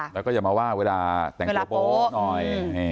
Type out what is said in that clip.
แล้วก็อย่ามาว่าเวลาแต่งตัวโป๊ะหน่อย